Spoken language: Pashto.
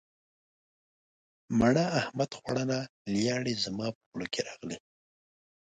مڼه احمد خوړله لیاړې زما په خوله کې راغللې.